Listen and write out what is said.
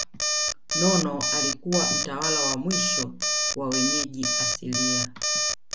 Nono alikuwa mtawala wa mwisho wa wenyeji asilia